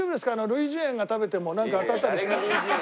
類人猿が食べてもなんかあたったりしない？